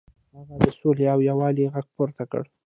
هغه د سولې او یووالي غږ پورته کړ.